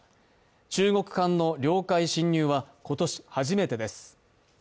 中国艦の領海侵入は今年初めてです。